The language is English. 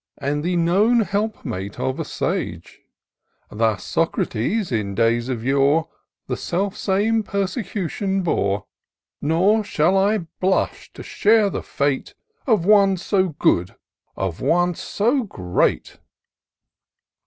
And the known helpmate of a sage : Thus Socrates, in days of yore, The self same persecution bore ; IN SEARCH OF THE PICTURESQUE. 59 Nor shall I blush to share the fate Of one so good — of one so great."